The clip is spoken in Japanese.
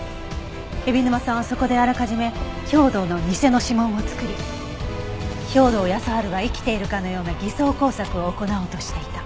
海老沼さんはそこであらかじめ兵働の偽の指紋を作り兵働耕春が生きているかのような偽装工作を行おうとしていた。